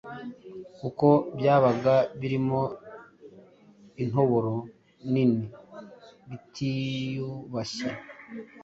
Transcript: kuko byabaga birimo intoboro nini bitiyubashye.